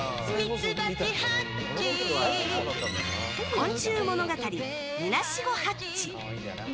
「昆虫物語みなしごハッチ」。